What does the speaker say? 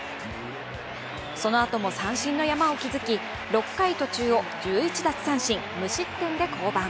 そのあとも三振の山を築き、６回途中を１１奪三振、無失点で降板。